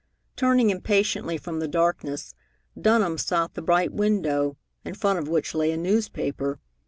Turning impatiently from the darkness, Dunham sought the bright window, in front of which lay a newspaper.